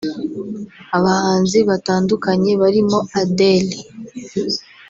Abahanzi batandukanye barimo Adele